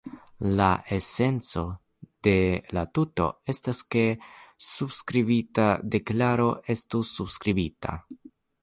La esenco de la tuto estas, ke la subskribita deklaro estu subskribita.